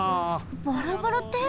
バラバラって！？